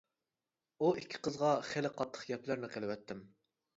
ئۇ ئىككى قىزغا خېلى قاتتىق گەپلەرنى قىلىۋەتتىم.